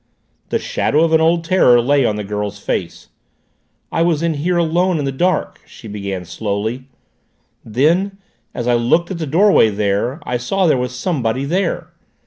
The shadow of an old terror lay on the girl's face, "I was in here alone in the dark," she began slowly "Then, as I looked at the doorway there, I saw there was somebody there.